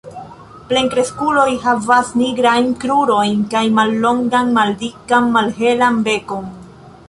Plenkreskuloj havas nigrajn krurojn kaj mallongan maldikan malhelan bekon.